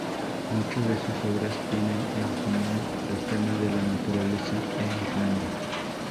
Muchas de sus obras tienen en común los temas de la naturaleza e Irlanda.